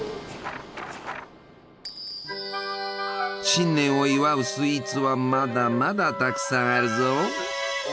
新年を祝うスイーツはまだまだたくさんあるぞ。